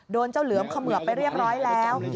เจ้าเหลือมเขมือบไปเรียบร้อยแล้ว